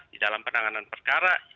di dalam penanganan perkara